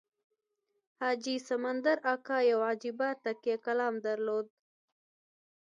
حاجي سمندر اکا یو عجیب تکیه کلام درلود.